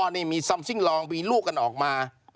นี่มีซอมซิ่งลองมีลูกกันออกมา